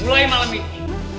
mulai malem ini